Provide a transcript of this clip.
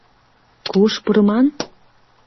Куш пурыман?